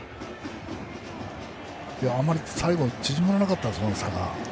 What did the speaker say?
あまり最後縮まらなかったですよね、差が。